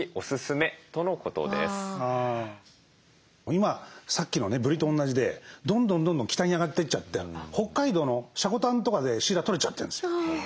今さっきのねぶりと同じでどんどんどんどん北に上がって行っちゃって北海道の積丹とかでシイラ取れちゃってるんですよ。